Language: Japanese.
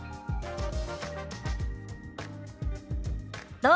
どうぞ。